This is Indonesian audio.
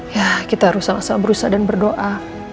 ya kita harus selesai berusaha dan berdoa